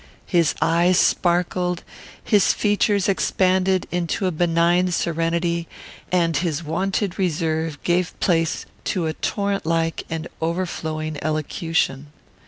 His eyes sparkled; his features expanded into a benign serenity; and his wonted reserve gave place to a torrent like and overflowing elocution.